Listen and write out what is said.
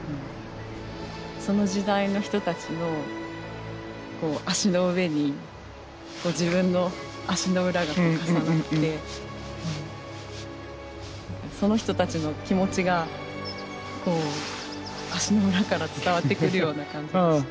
その時代の人たちの足の上に自分の足の裏が重なってその人たちの気持ちが足の裏から伝わってくるような感じがして。